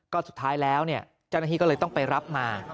ก็สุดท้ายแล้วเนี่ยจักรนาธิก็เลยต้องไปรับมา